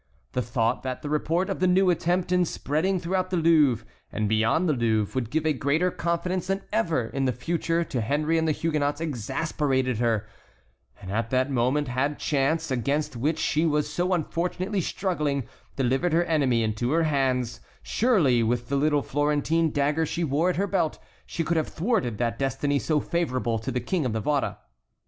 The thought that the report of the new attempt in spreading throughout the Louvre and beyond the Louvre would give a greater confidence than ever in the future to Henry and the Huguenots exasperated her, and at that moment had chance, against which she was so unfortunately struggling, delivered her enemy into her hands, surely with the little Florentine dagger she wore at her belt she could have thwarted that destiny so favorable to the King of Navarre.